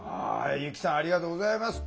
由希さんありがとうございます。